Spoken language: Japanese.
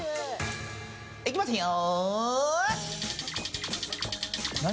行きますよ！